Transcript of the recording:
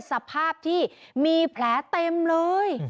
สภาพที่มีแผลเต็มเลย